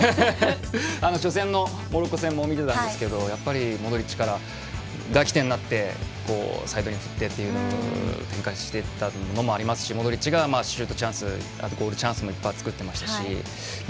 初戦のモロッコ戦も見てたんですけどモドリッチが起点になってサイドに振ってっていう展開していったというところもありますしモドリッチがシュートチャンスゴールチャンスもいっぱい作ってましたし。